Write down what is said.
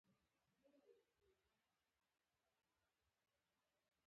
د اوکتیت حالت د مادې کوم حال ته وايي؟